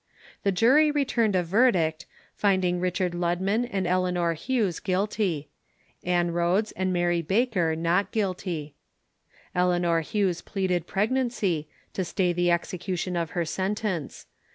The jury returned a verdict, finding Richard Ludman and Eleanor Hughes guilty. Ann Rhodes and Mary Baker not guilty. Eleanor Hughes pleaded pregnancy, to stay the execution of her sentence.